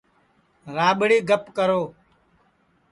راٻڑی گپ کرو